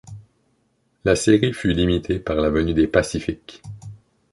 La série fut limitée par la venue des Pacific.